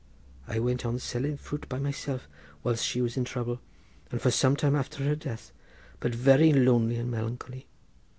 I went on selling fruit by myself whilst she was in trouble, and for some time after her death, but very lonely and melancholy.